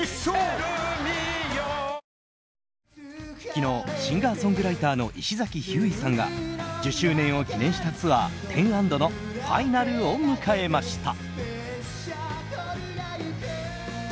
昨日シンガーソングライターの石崎ひゅーいさんが１０周年を記念したツアー「、＆」のファイナルを迎えました。